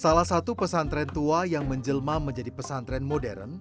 salah satu pesantren tua yang menjelma menjadi pesantren modern